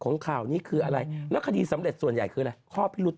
นางคิดแบบว่าไม่ไหวแล้วไปกด